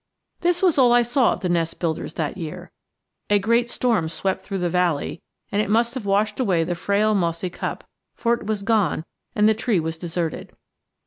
This was all I saw of the nest builders that year. A great storm swept through the valley, and it must have washed away the frail mossy cup, for it was gone and the tree was deserted.